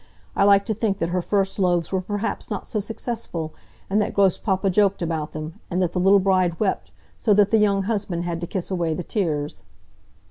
I like to think that her first loaves were perhaps not so successful, and that Grosspapa joked about them, and that the little bride wept, so that the young husband had to kiss away the tears."